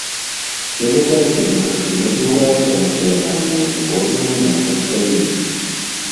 Сёлета ён упершыню згуляў за нацыянальную зборную нашай краіны.